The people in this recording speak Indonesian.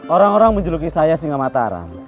orang orang menjuluki saya singa mataram